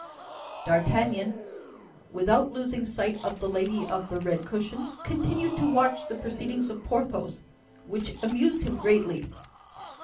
D'Artagnan, without losing sight of the lady of the red cushion, continued to watch the proceedings of Porthos, which amused him greatly.